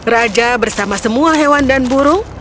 raja bersama semua hewan dan burung